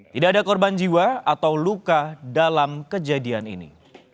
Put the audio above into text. tidak ada korban jiwa atau luka dalam kejadian ini